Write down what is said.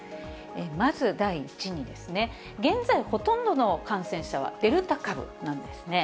まず第一に、現在、ほとんどの感染者はデルタ株なんですね。